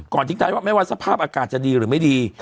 ทิ้งท้ายว่าไม่ว่าสภาพอากาศจะดีหรือไม่ดี